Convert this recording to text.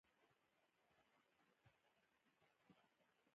خو مونږ ورته ووې چې وس ښکته وڅښو